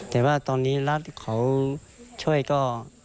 แต่ว่าตอนนี้รัฐเขาช่วยก็